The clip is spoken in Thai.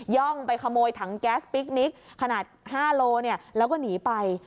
่องไปขโมยถังแก๊สปิ๊กนิกขนาด๕โลแล้วก็หนีไป